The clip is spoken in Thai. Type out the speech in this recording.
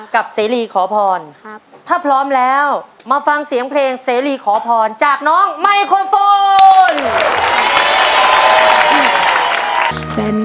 เสรีขอพรถ้าพร้อมแล้วมาฟังเสียงเพลงเสรีขอพรจากน้องไมโครโฟน